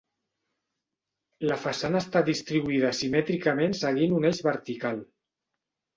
La façana està distribuïda simètricament seguint un eix vertical.